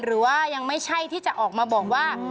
หรือว่ายังไม่ใช่ที่จะออกมาบอกว่า